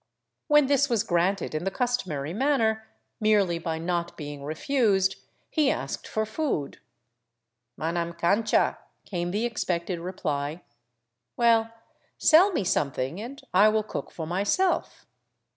When this was granted in the customary manner — merely by not being re fused — he asked for food. " Manam cancha," came the expected reply. " Well, sell me something and I will cook for myself."